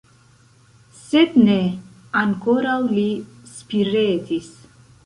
Sed ne; ankoraŭ li spiretis.